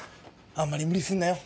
あんまり無理すんなよ。